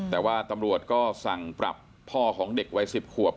แต่ว่าตำรวจก็สั่งปรับพ่อของเด็กวัย๑๐ขวบ